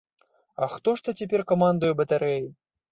А хто ж то цяпер камандуе батарэяй?